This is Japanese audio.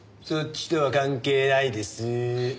そっちとは関係ないです。